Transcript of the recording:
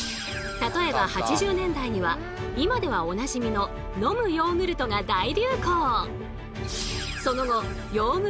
例えば８０年代には今ではおなじみの飲むヨーグルトが大流行。